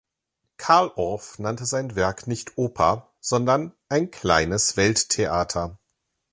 Carl Orff nannte sein Werk nicht „Oper“, sondern „Ein kleines Welttheater“.